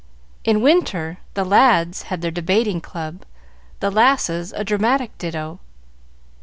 In winter, the lads had their debating club, the lasses a dramatic ditto.